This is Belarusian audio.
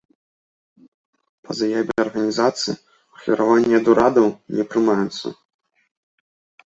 Па заяве арганізацыі, ахвяраванні ад урадаў не прымаюцца.